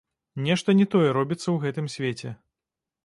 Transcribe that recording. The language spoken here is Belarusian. Нешта не тое робіцца ў гэтым свеце.